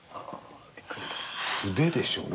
筆でしょうねこれ。